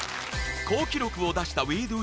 好記録を出した Ｗｅｄｏ！